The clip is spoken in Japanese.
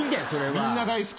みんな大好き。